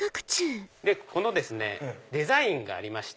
このデザインがありまして。